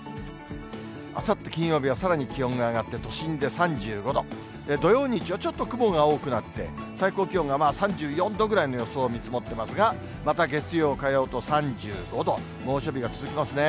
あさって金曜日はさらに気温が上がって、都心で３５度、土曜、日曜、ちょっと雲が多くなって、最高気温が３４度ぐらいの予想を見積もってますが、また月曜、火曜と３５度、猛暑日が続きますね。